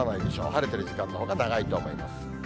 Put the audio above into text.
晴れてる時間のほうが長いと思います。